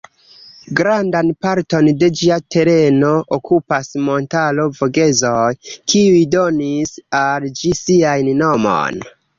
Grandan parton de ĝia tereno okupas montaro Vogezoj, kiuj donis al ĝi sian nomon.